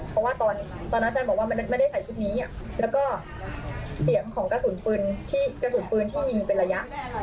เพราะว่าตอนนั้นอาจารย์บอกว่าไม่ได้ใส่ชุดนี้แล้วก็เสียงของกระสุนปืนที่กระสุนปืนที่ยิงเป็นระยะ